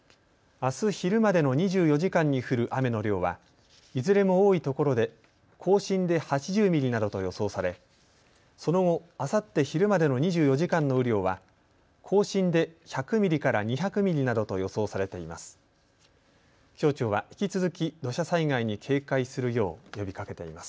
あす昼までの２４時間に降る雨の量はいずれも多いところで甲信で８０ミリなどと予想されその後、あさって昼までの２４時間の雨量は甲信で１００ミリから２００ミリなどと予想されています。